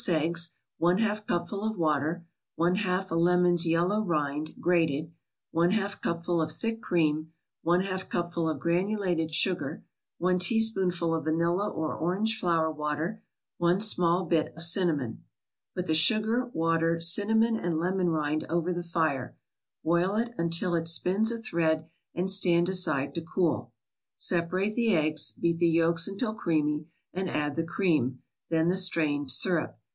6 eggs 1/2 cupful of water 1/2 a lemon's yellow rind, grated 1/2 cupful of thick cream 1/2 cupful of granulated sugar 1 teaspoonful of vanilla or orange flower water 1 small bit of cinnamon Put the sugar, water, cinnamon and lemon rind over the fire, boil until it spins a thread and stand aside to cool. Separate the eggs; beat the yolks until creamy, and add the cream, then the strained syrup.